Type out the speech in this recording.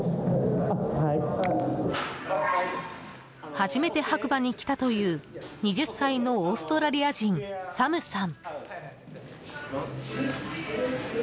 初めて白馬に来たという２０歳のオーストラリア人サムさん。